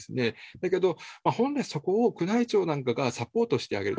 だけど、本来そこを宮内庁なんかがサポートしてあげる。